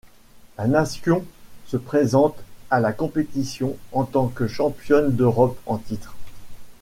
La nation se présente à la compétition en tant que championne d'Europe en titre.